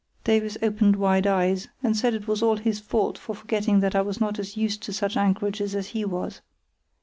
Davies opened wide eyes, and said it was all his fault for forgetting that I was not as used to such anchorages as he was.